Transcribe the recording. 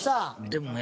でもね